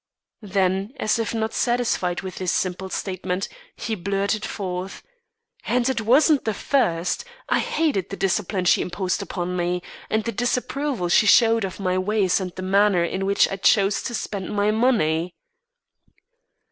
Then, as if not satisfied with this simple statement, he blurted forth: "And it wasn't the first. I hated the discipline she imposed upon me, and the disapproval she showed of my ways and the manner in which I chose to spend my money."